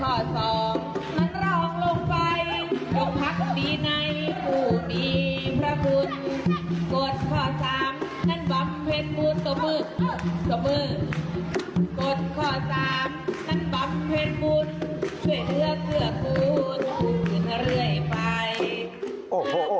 ลำบั๊ทเพลย์ผู้ช่วยเหลือเกิดหลุด